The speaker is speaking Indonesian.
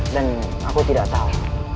dan aku tidak tahu